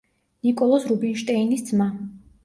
ნიკოლოზ რუბინშტეინის ძმა.